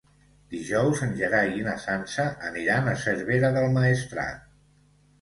Dijous en Gerai i na Sança aniran a Cervera del Maestrat.